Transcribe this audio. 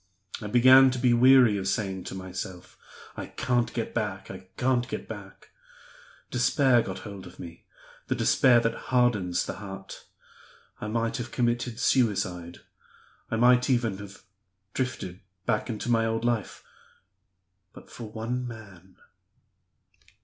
I began to be weary of saying to myself, 'I can't get back! I can't get back!' Despair got hold of me, the despair that hardens the heart. I might have committed suicide; I might even have drifted back into my old life but for one man."